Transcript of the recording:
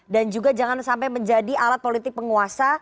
dan juga jangan sampai menjadi alat politik penguasa